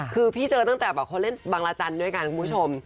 คือพี่เจอตั้งแต่แบบเขาเล่นบางราจันทร์ด้วยกันคุณผู้ชม